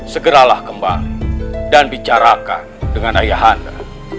segeralah kembali dan bicarakan dengan ayahanda